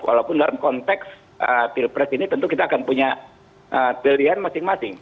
walaupun dalam konteks pilpres ini tentu kita akan punya pilihan masing masing